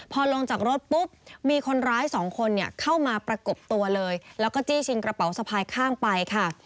พอลงจากรถปุ๊บมีคนร้ายสองคนเนี่ยเข้ามาประกบตัวเลยแล้วก็จี้ชิงกระเป๋าสะพายข้างไปค่ะ